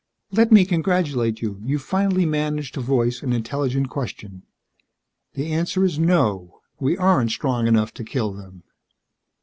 "Let me congratulate you. You've finally managed to voice an intelligent question. The answer is, no. We aren't strong enough to kill them.